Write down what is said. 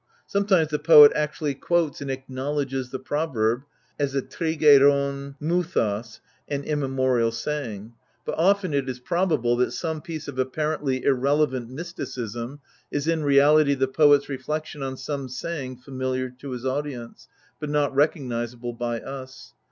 Sometimes the poet actually quotes and acknowledges the proverb, as a rpiytfrnv fivOoSj " an immemorial saying "; but often, it is PREFACE xix probable that some piece of apparently irrelevant mysticism is in reality the poet's reflection on some saying familiar to his audience, but not recognisable by us.